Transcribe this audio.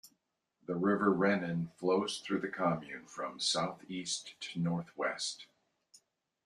The river Renon flows through the commune from southeast to northwest.